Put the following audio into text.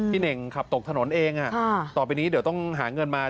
เน่งขับตกถนนเองต่อไปนี้เดี๋ยวต้องหาเงินมา